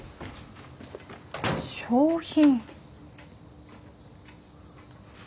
賞品？